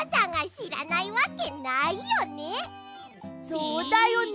そうだよね。